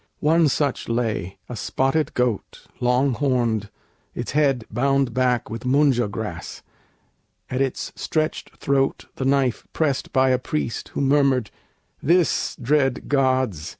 One such lay, A spotted goat, long horned, its head bound back With munja grass; at its stretched throat the knife Pressed by a priest, who murmured, "This, dread gods.